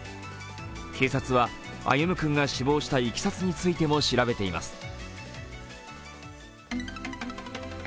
警察は、歩夢君が死亡したいきさつについても調べています。